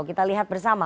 kita lihat bersama